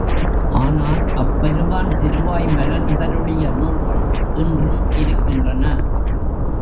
ஆனால் அப்பெருமான் திருவாய் மலர்ந்தருளிய நூல்கள் இன்றும் இருக்கின்றன.